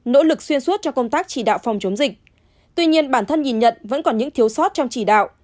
nỗ lực xuyên suốt cho công tác chỉ đạo phòng chống dịch tuy nhiên bản thân nhìn nhận vẫn còn những thiếu sót trong chỉ đạo